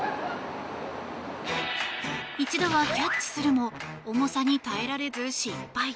一度はキャッチするも重さに耐えられず失敗。